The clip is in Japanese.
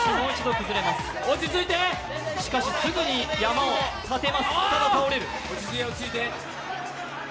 しかしすぐに山を立てます。